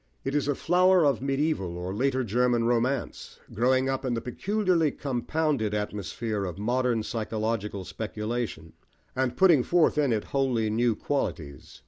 It is a flower of medieval or later German romance, growing up in the peculiarly compounded atmosphere of modern psychological speculation, and putting forth in it wholly new qualities.